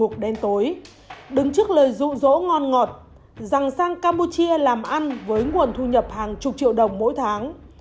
một đêm tối đứng trước lời rụ rỗ ngon ngọt rằng sang campuchia làm ăn với nguồn thu nhập hàng chục triệu đồng mỗi tháng